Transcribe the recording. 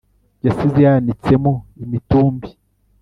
yasize yanitsemo imitumbi